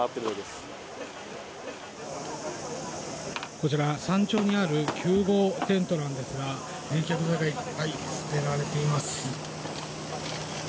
こちら山頂にある救護テントなんですが冷却剤がいっぱい捨てられています。